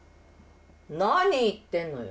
何言ってんのよ。